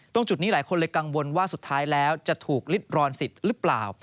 จุดนี้หลายคนเลยกังวลว่าสุดท้ายแล้วจะถูกลิดรอนสิทธิ์หรือเปล่า